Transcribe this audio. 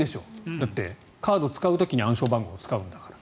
だって、カードを使う時に暗証番号を使うんだから。